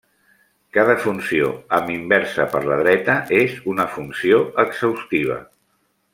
Cada funció amb inversa per la dreta és una funció exhaustiva.